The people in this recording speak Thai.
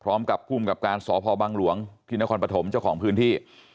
พร้อมกับภูมิกับการสพบังหลวงที่นครปฐมเจ้าของพื้นที่